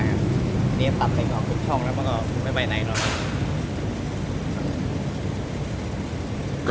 นี่ตัดออกไปช่องแล้วมันก็ไม่ไปไหนแล้วนะครับ